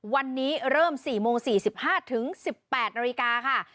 วันนี้เริ่ม๔โมง๔๕๑๘นาฬิกาค่ะ